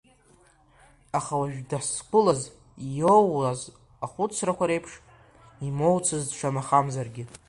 Аха уажә даазқәылаз иоуаз ахәыцрақәа реиԥш имоуцызт шамахамзаргьы.